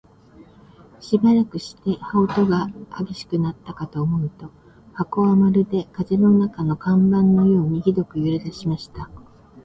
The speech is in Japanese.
しばらくして、羽音が烈しくなったかと思うと、箱はまるで風の中の看板のようにひどく揺れだしました。